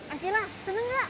akilah senang gak